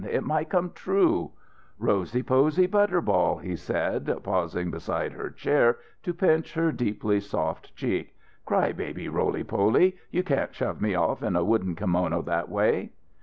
It might come true." "Rosie Posy butter ball," he said pausing beside her chair to pinch her deeply soft cheek. "Cry baby roly poly, you can't shove me off in a wooden kimono that way."